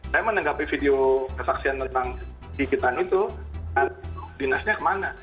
saya menanggapi video kesaksian tentang gigitan itu dinasnya kemana